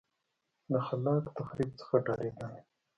له خلاق تخریب څخه ډارېدل.